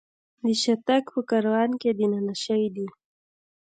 د شاتګ په کاروان کې دننه شوي دي.